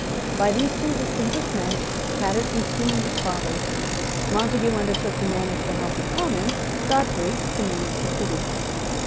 By these two distinguished men Paterson's scheme was fathered. Montague undertook to manage the House of Commons, Godfrey to manage the City.